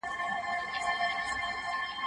نوي شرایط نوي حل لاري غواړي.